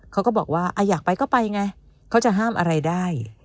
เขาก็บอกว่าอยากไปก็ไปไงเขาจะห้ามอะไรได้